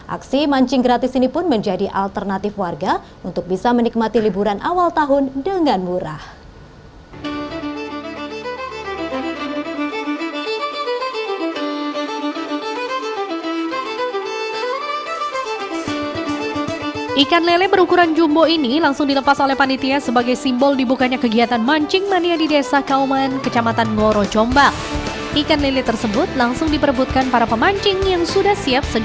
aksi mancing gratis ini pun menjadi alternatif warga untuk bisa menikmati liburan awal tahun dengan murah